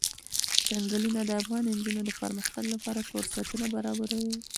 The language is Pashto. چنګلونه د افغان نجونو د پرمختګ لپاره فرصتونه برابروي.